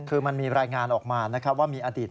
คือมันมีรายงานออกมาว่ามีอดีต